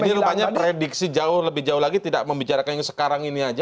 ini rupanya prediksi jauh lebih jauh lagi tidak membicarakan yang sekarang ini aja